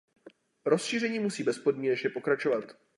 Rozšíření musí bezpodmínečně pokračovat.